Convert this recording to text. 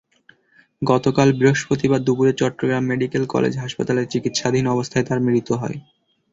গতকাল বৃহস্পতিবার দুপুরে চট্টগ্রাম মেডিকেল কলেজ হাসপাতালে চিকিৎসাধীন অবস্থায় তাঁর মৃত্যু হয়।